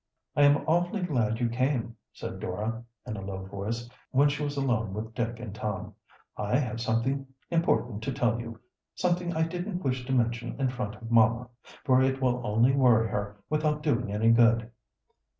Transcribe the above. "I am awfully glad you came," said Dora, in a low voice, when she was alone with Dick and Tom. "I have something important to tell you, something I didn't wish to mention in front of mamma, for it will only worry her without doing any good."